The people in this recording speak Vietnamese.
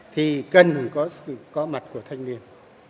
thì cần có sự có mặt của thanh niên